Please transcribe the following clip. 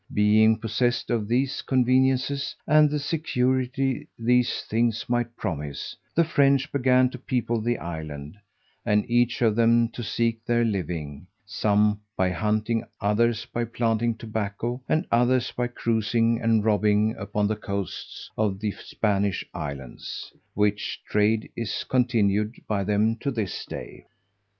Being possessed of these conveniences, and the security these things might promise, the French began to people the island, and each of them to seek their living; some by hunting, others by planting tobacco, and others by cruizing and robbing upon the coasts of the Spanish islands, which trade is continued by them to this day.